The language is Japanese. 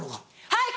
はい！